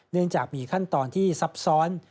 เนื่องจากมีขั้นตอนที่ซับซ้อน